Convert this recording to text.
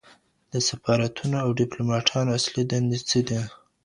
د سفارتونو او ديپلوماتانو اصلي دندې څه دي؟